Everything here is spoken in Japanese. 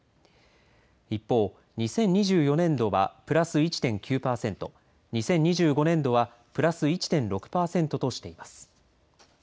一方、２０２４年度はプラス１．９％、２０２５年度はプラス１．６％としています。